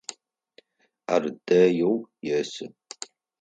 Ар дэеу есы.